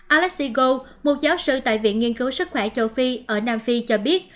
alex siegel một giáo sư tại viện nghiên cứu sức khỏe châu phi ở nam phi cho biết